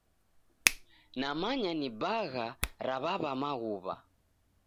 Namanya ni bagha ra w'aw'a Maghuwa.